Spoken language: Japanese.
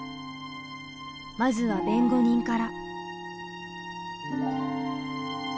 まずは弁護人から。